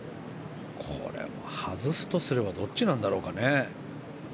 これは外すとすればどっちなんだろうね。